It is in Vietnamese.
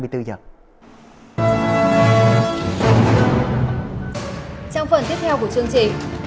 trong phần tiếp theo của chương trình